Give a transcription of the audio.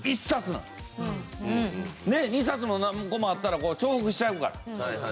２冊も何個もあったら重複しちゃうから。